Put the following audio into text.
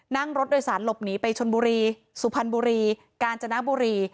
นั่งรถโดยสารหลบหนีไปชนบุรีสุพรรณบุรีกาญจนบุรี